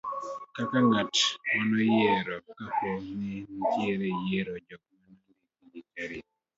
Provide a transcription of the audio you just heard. kaka ngat manoyiero ka po ni nenitie yiero, jok manondike gi tarik